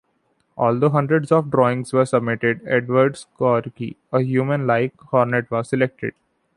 Although hundreds of drawings were submitted, Edwards' Corky, a "human-like" hornet was selected.